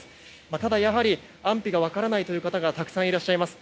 ただ、安否が分からないという方がたくさんいらっしゃいます。